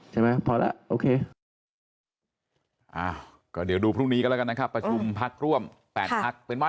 ใช่ไหมพอแล้วโอเค